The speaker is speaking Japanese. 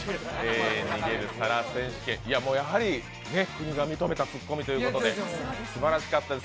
「逃げる皿選手権」、やはり国が認めたツッコミということてすばらしかったです。